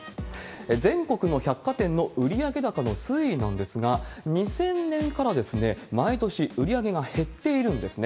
全国の百貨店の売上高の推移なんですが、２０００年から毎年売り上げが減っているんですね。